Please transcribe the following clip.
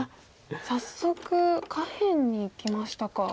早速下辺にいきましたか。